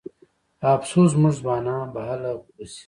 افسوس زموږ ځوانان به هله پوه شي.